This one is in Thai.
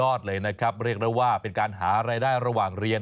เลยนะครับเรียกได้ว่าเป็นการหารายได้ระหว่างเรียน